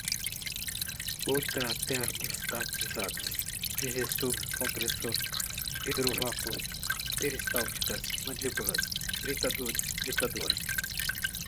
ultratermostatizados, digestor, compressor, hidrovácuo, peristálticas, mandíbulas, britadores, britador